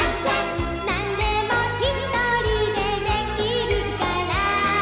「何でもひとりでできるから」